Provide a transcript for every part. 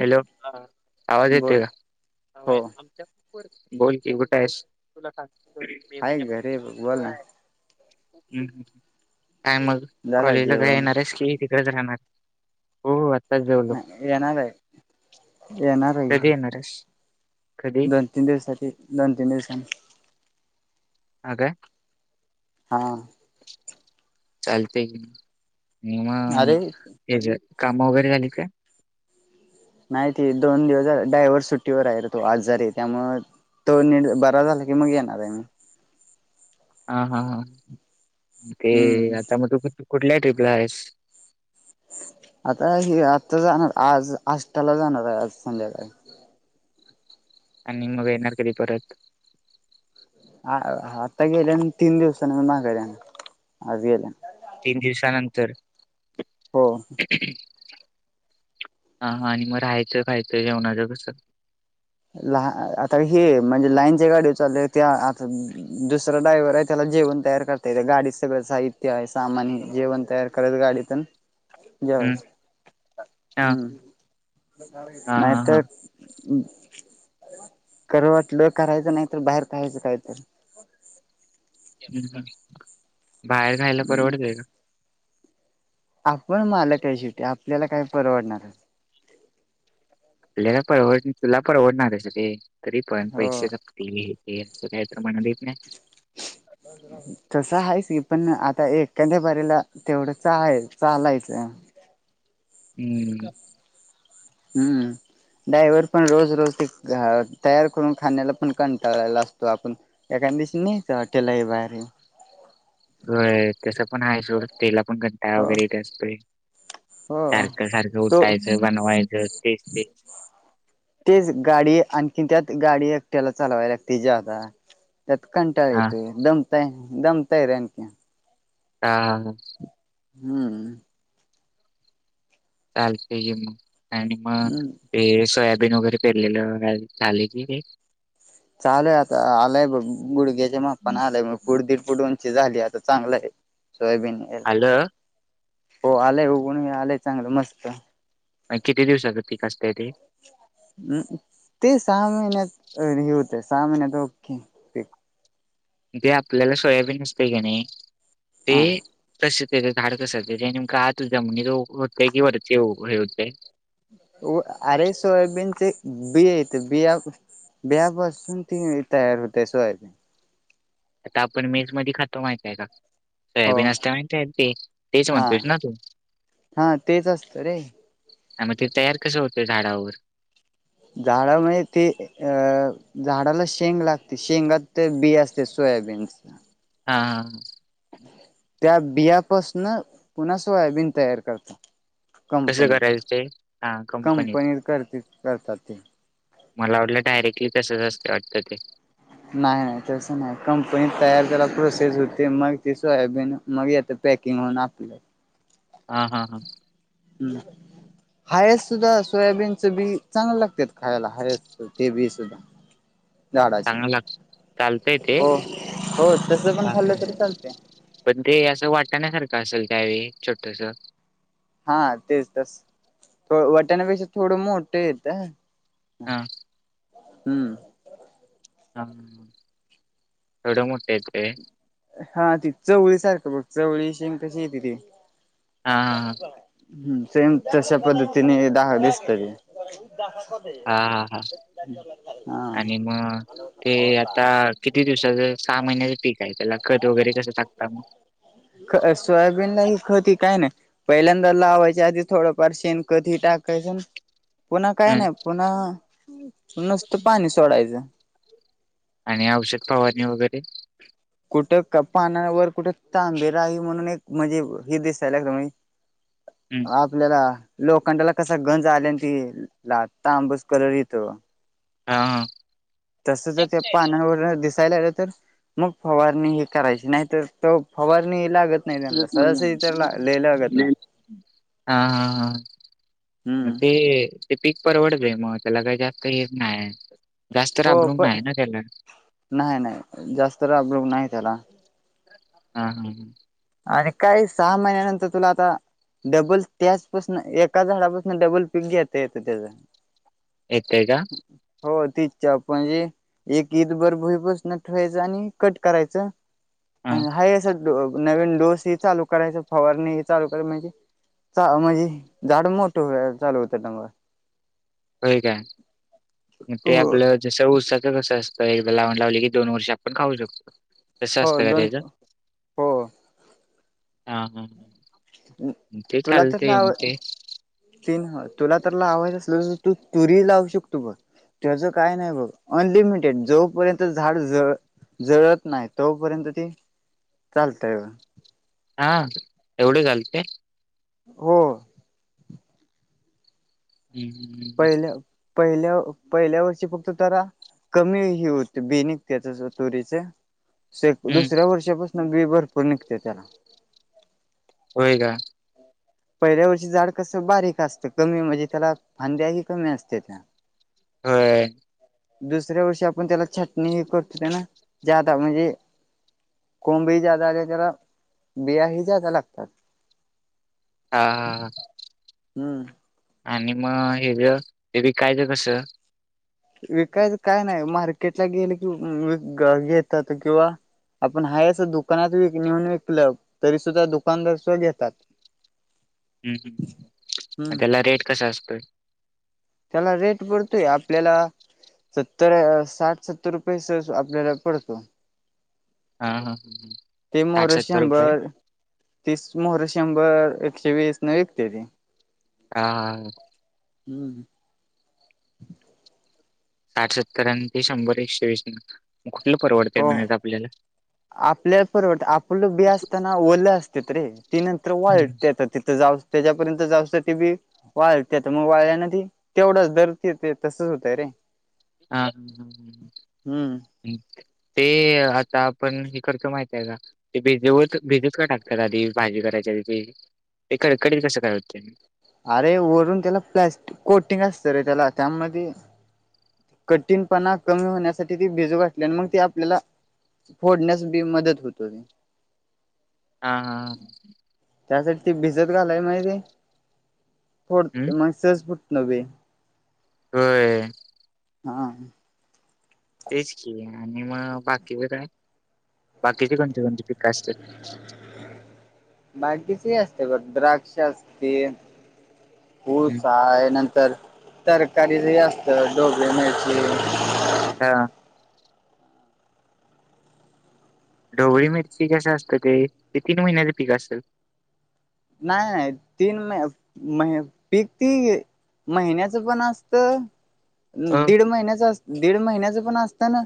Hello. आवाज येतोय बोल का? हो बोल की कुठ आहेस? तुलाग मे हाय महिन्यापासून घरी बोल सांगतोय. ना ह् काय मग झाला कॉलेजला काय जेवण येणार आहेस की तिकडेच राहणार? हो. आत्ताच जेवलो. नाही येणार आहे येणार आहे कधी येणार की आहेस? कधी डन तिन दिवसात येतो दोन तीन दिससानी. अ काय? हा. चालतय की अरे मग हेज काम वगैरे झालीत काय? नाही ते दोन दिवस डायव्हर्स सुट्टीवर आहे र तो आजारी हाय त्यामुळ तो निट बरा झाला की मग येणार आहे मी. हा हा हां. ते हम्म आता म तू कुठल्या ट्रीपला आहेस? आता हे आता जाणार आज आष्टाला जाणार आहे आज संध्याकाळी. आणि मग येणार कधी परत? ह आता गेल्यान तीन दिवसानी मग माघारी येणार आज गेल्यान. तीन दिवसानंतर? हो. हा हा आणि मग राहायचं खायचं जेवणाच कस? लान आता हे म्हणजे लाईनच्या गाडी चालले त्या आता दुसरां ड्रायवर आहे त्याला जेवण तयार करता येते गाडीत सगळं साहित्य आहे सामान हे जेवण तयार करायच गाडीत अन हम्म जेवायचं हा हम्म हा नाही हा तर करू वाटलं करायचं नाही तर बाहेर खायचं काहीतर. बाहेर खायला हम्म परवडतय का? आपण मालक आहे शेवटी आपल्याला काय परवडणारच. आपल्याला काय परव तुला परवडनारच रे तरी पण हो पैसे संपतील हे. हेच काय तर [unintelligible] राहुदे राहुदे. तसं आहेच की पण आता एखाद्या बारीला तेवढं चालाय चालायचं. हम्. हम्म. डायव्हर पण रोज रोज ते तयार करून खाण्याला पण कंटाळलेला असतो आपण एकाण दिवशी न्यायचं हॉटेल आहे बाहेर. होय तस पण आहे सोड तेला पण कंटाळा हो वगैरे येत आसतोय. हो सारखं सारखं तो उठायचं बनवायचं तेच तेच तेच गाडी आणखी त्यात गाडी एकट्याला चालवायला लागते ज्यादा. त्यात् कंटाळा हा येतोय दमतय दमतय रे अंक्य. हा हा हा. [unintelligible] चालतंय की मग, आणि मग? हम्म. ते सोयाबीन वगैरे पेरलेलं, झाले की ते चालूय आता. आलाय बघ, गुडघ्याच्या मापान आलाय मग. फुड, दीड फुड उंची झाली, आता चांगलं आहे. सोयाबीन यायला आलाय. आलं हो, आलंय उघवून आलंय, चांगलं मस्त. किती दिवसाच पिकं असतय ते? ते सहा महिन्यात [unintelligible] होतय, सहा महिन्यात ओके. पीक जे आपल्याला सोयाबीन असते कां नाही. ते हा कसं त्याच झाड कशाच? ते नेमक आत जमिनीत होतय की, वरती हे होतेय. अरे, सोयाबीनचे बी ये ते. बिया बियापासून ती तयार होते सोयाबीन. आता आपण मेसमध्ये खातो, माहितय का? हो सोयाबीन असतंय माहितीय? ते तेच हा म्हणतोयस ना, तू? हा तेच असतं रे हां, मग ते तयार कसं होतय झाडावर? झाडावर नाही ते अं झाडाला शेंग लागती. शेंगात ते बी असते, सोयाबीन. हां हा हा. त्या बियापासन पुन्हा सोयाबीन तयार करत्यात कसं कंपनीत, करायचं ते हा कंपनीत करतेत, करतात ते. मला वाटलं डायरेक्टली तसंच, असतं वाटतं ते. नाय तसं नाय कंपनी तयार करायला प्रोसेस होते, मग ते सोयाबीन मग येतात पॅकिंग होऊन आपलं. हा हा हां. हाय असं सुद्धा सोयाबीनचं बी चांगल लागत्यात खायला. हाय असं. ते बी सुद्धा झाडाची, चांगलं लाग चालतंय ते हो हो, तस पण हा हा खाल्लं तरी चालतंय. पण ते असं वाटाण्यासारखं असेल, त्यावेळी छोटंस. हां तेच तसं, वटाण्यापेक्षा थोडं मोठं येतं. हां. हम्म. [unintelligible] एवढं मोठं येते. हां, ती चवळी सारखं बघ. चवळी शेंग कशी येती ती? हा हा हम्म, सेम तश्या पद्धतीने दाह दिसतं ते. हा हा हा, हा आणि मग ते आता किती दिवसाचं? सहा महिन्याचं पीक आहे, त्याला खत वगैरे कसं टाकता मग? ख सोयाबीनला ही खत ही काय नाय. पहिल्यांदा लावायच्या आधीच थोडंफार शेणखत ही टाकायचं. पुन्हा काय हम्म. नाय. पुन्हा नुसतं पाणी सोडायचं. आणि औषध फवारणी वगैरे? कुठं क पानावर कुठं तांबेरा ही म्हणून एक म्हजी, हे दिसायला लागलं म्हजी हम्म [unintelligible] आपल्याला लोखंडाला कसा गंज आला, आन ती तांबूस कलर येतो. हा. तस तर ते पानांवरन दिसाय लागलं तर मग फवारणी हे करायची नाही तर तो फवारणी लागत. नाही त्यांना सहजसहजी तर हा लय लागत नाही. हा हा, म हम्म ते. पीक परवडते मग त्याला काही जास्त हेच नाय जास्त हो राबवून प नाही ना त्याला. नाही नाही जास्त राबलोग नाही त्याला. हा मी, आणि काय सहा महिन्यानंतर तुला आता. डबल त्याचपासून एका झाडापासून डबल पीक घेता येतं त्याच. येतय का, हो तीचछ म्हणजे. एक ईदभर भईपसून ठेवायचं आणि कट करायचं हा आणि हाय असं गो ''--'' नवीन डोस ही चालू करायच फवारणी ह चाल करा म्हणजे. हा, मजी झाड मोठं होया झालंत तव्ह. व्हय काय ते हो. आपलं. जसं उसाचं कसं असतंय एकदा लावून लावले की दोन वर्ष आपण खाऊ शकतो. तसं हो असतं का दोन त्याझं? हो ते तुला तर चालतंय मग लाव ते. तीन तुला तर ला आवायज असल तू चुरी लावू शकतो बघ. त्याचं काय नाही बघ अनलिमिटेड जोपर्यंत झाड जळ''--'' जळत नाही तोपर्यंत ते चालतय बघ. हा एवढे घालते. हो, हम हम हम, पहिल्या पहिल्या पहिल्या वर्षी फक्त जरा. कमी ही होते बेनिक त्याच्या तुरीचे. सेट हम्म. दुसऱ्या वर्षापासून बी भरपूर निघते त्याला. होय का, पहिल्या वर्षी झाड कसं बारीक असतं कमी म्हणजे त्याला फांद्या की कमी असत्यात्या. अ ई, दुसऱ्या वर्षी आपण त्याला छटणी हे करतो ते ना जादा म्हणजे. कोंबही जादा आले त्याला बियाही जादा लागतात. हा हा, हम्म, आणि मग हे ज हे विकायचं कस. विकायचं काय नाही मार्केटला गेले कि वि घेतात किंवा. आपण हा असं दुकानात व नेऊन विकलं तरी सुद्धा दुकानदारसद्धा घेतात. [inaudible] हम्म हम्म, त्याला रेट कसा असतंय. त्याला रेट पडतोय आपल्याला. सत्तर साठ सत्तर रुपयस आपल्याला पडतो. हा हा ते साठ मोहर सत्तर रुपये शंभर. तीस मोहर शंभर एकशे वीस न विकते ती. हा हा, हम्म, साठ सत्तरां ते शंभर एकशे वीस. कुठलं परवड [unintelligible] आपल्याला अ आपल्या परवडत् आपलं बी असताना ओलं असतेत रे ती नंतर हम्म. वाळतेत तिथं जाऊ त्याच्यापर्यंत जाउस्तर ते बी वाळत्यात मग वाळल्या ना ती तेवढंच धरतेत ते तसच होतंय रे. हा हम् हम हम्म हम्. ते आता आपण हे करतो माहित आहे का? ते भिज होत भिजत का टाकतात आधी भाजी करायच्या आधी ते कडकडीत कसं करते. अरे वरून त्याला प्लॅस्ट कोटिंग असतं रे त्याला त्यामध्ये कठीणपणा कमी होण्यासाठी ती भिजू घातल्या न मग ती आपल्याला फोडण्यास बी मदत होत होती. हा हा. त्यासाठी ती भिजत घालाय माहिते थोड हम्म म सहज फुटणं वे. होय! हां. तेच की आणि मग बाकी बरंय बाकीचे कोणती कोणती पिकं असतात? बाकीचे असते बघ द्राक्ष असते हम्म. ऊस आहे नंतर तरकारी हे असतं ढोबळी मिरची. हा. ढोवळी मिरची कशी असतं ते ते तीन महिन्याच पिक असत? नाही तीन म महि पिक ती महिन्याचं पण असत अ दीड महिन्याच अस दीड महिन्याचं पण असतं ना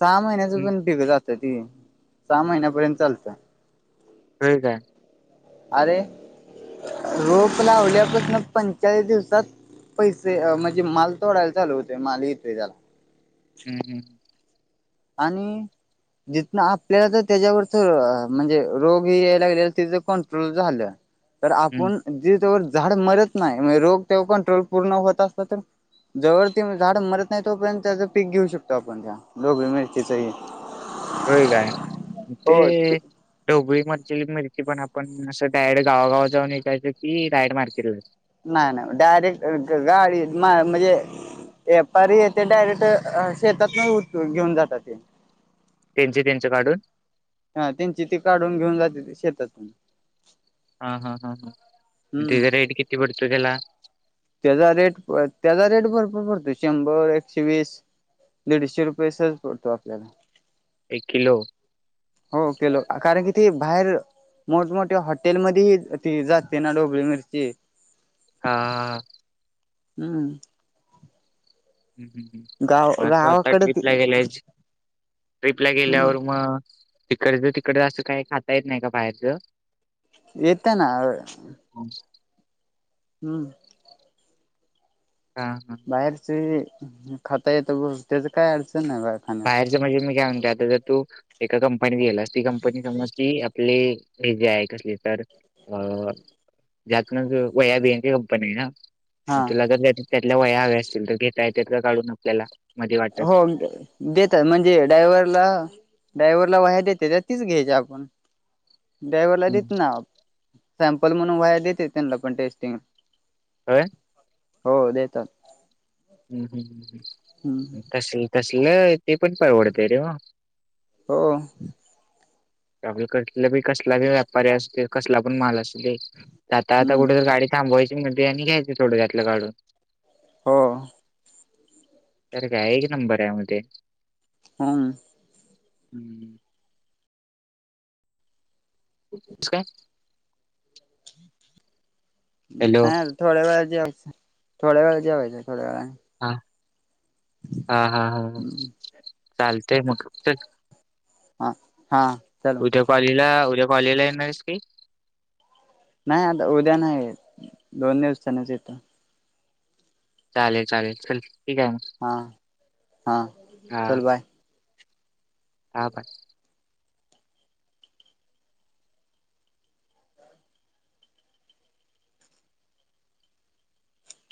सहा महिन्याचं हम्म पण पिक अ त ती सहा महिन्यापर्यंत चालतं. हो काय! अरे रोप लावल्यापासनं पंचाळीस दिवसात पैसे म्हणजे माल तोडायला चालू होते माल येतोय त्याला. हम् हम्म. आणि जिथनं आपल्याला जर त्याच्यावरच म्हणजे रोग हे यायलागलेलं ति जर कंट्रोल झालं तर हम्म आपण जे जवर झाड मरत नाही म्हणे रोग तेव्हा कंट्रोल पूर्ण होत असत तर जवर ती झाड मरत नाही तोपर्यंत त्याचं पीक घेऊ शकतो आपण त्या ढोबळी मिर तीच ई. होय काय ते ढोबळी मरची मिरची पण आपण असं डायरेक्ट गावागावात जाऊन विकायचं की डायरेक्ट मार्केटला नाही नाही डायरेक्ट गा गाडी मा म्हणजे व्यापारी येते डायरेक्ट शेतातनं उचलून घेऊन जात ते. त्यांचे त्यांच काढून. ह त्यांची ती काढून घेऊन जातेत शेतातून. हा हा हा ह अन् हम्म. तेचा रेट किती पडतो तेला? त्याचा रेट त्याचा रेट भरपूर पडतो शंभर, एकशेवीस दीडशे रुपये सहज पडतो आपल्याला. एक किलो हो कीलो कारणं कि ते बाहेर मोठमोठ्या हॉटेलमध्येही जाते नां डोबळी मिर्ची हां आं हम्मं हम्मं गाव हम्मं म तो आंता गावाकड ट्र्रीपला गेलायं हम्म ट्रिपला गेल्यांवरं मंग तिकडचं तिकडं असं कांहीं खांता येतं नाहीं कां मंग बाहेरचं येतं नां हम्मं हम्मं हां हां बाहेरचं खातं येतं बरं त्याचं कायं अडचण नांय बारं बाहेरचं म्हणजे मी कायं म्हते आंता जरं तूं एकां कंपनीत गेलांस ती कंपनी समजं ती आपले हे जे आहे कसली तरं अं ज्यातूंन वयां बीची कंपनी आहे नां हा मंग तुलां जं त्यांतल्या वयां हवे असतील तरं घेतां येतं कां काढूंन आपल्यांला हो दे देतांत म्हणजे ड्रायवरंला ड्रायव्हरलां वायरं देते तरं तीचं घ्यायची आपणं ड्रायव्हरला देतं नांव सॅम्पल म्हणूंन व्हांया देते त्यांना पणं टेस्टिंग- तरं- हो देतांत- कशी हम्म कशी तसलं तसलं ते पणं परवडते रे मं- हो.... ट्रॅव्हल करी कसलां व्यापारी असते कसलां पणं मालं असते आंता आंता हम्म कुंठे गांडी आंघोळी वायची म्हटलं आणि घ्यायचं थोडं घातलं काढूंन हो... सरं कायं एक नंबर आहे मध्यें- हम्मं हम्मं.... कसं कायं- हॅलो नाहीं थोडयां वेळां जेवलं सागं थोडयां वेळं जेवांचे थोडयां वेळांनी. हां हां हां हं वेळाने चालतेय मगं- हां हां चांल- उद्यां कॉलेजलां उद्यां कॉलेजलां येणांरस कांहीं- नाहीं आंता उद्यां नाहीं येतं दोन दिवसांनचं येतो. चालेल चालेल चलं ठीक आहे मं- हां हां चलं बांय- हां कां-